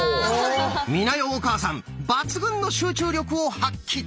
美奈代お母さん抜群の集中力を発揮！